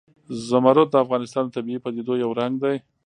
زمرد د افغانستان د طبیعي پدیدو یو رنګ دی.